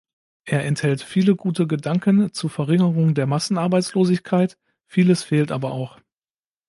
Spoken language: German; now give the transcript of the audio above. Er enthält viele gute Gedanken zur Verringerung der Massenarbeitslosigkeit, vieles fehlt aber auch.